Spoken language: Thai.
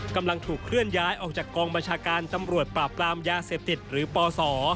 กำลังถูกเคลื่อนย้ายออกจากกองบัญชาการตำรวจปราบปรามยาเสพติดหรือปศ